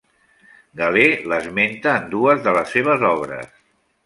Galè l'esmenta en dues de les seves obres.